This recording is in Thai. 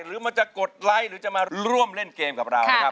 หรือมันจะกดไลค์หรือจะมาร่วมเล่นเกมกับเรานะครับ